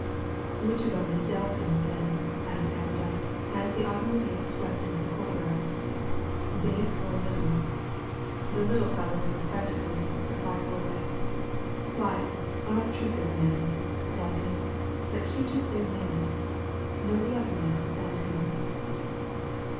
"Which of 'em is Delkin, then?" asked Allerdyke as the automobile swept into the courtyard. "Big or little?" "The little fellow with the spectacles," replied Fullaway. "Quiet, unobtrusive man, Delkin but cute as they're made. Know the other man, Van Koon?"